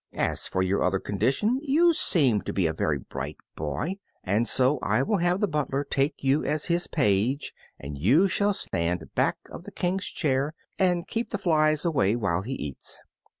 As for your other condition, you seem to be a very bright boy, and so I will have the butler take you as his page, and you shall stand back of the King's chair and keep the flies away while he eats."